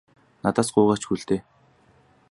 Надаас гуйгаа ч үгүй л дээ.